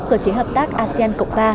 cơ chế hợp tác asean cộng ba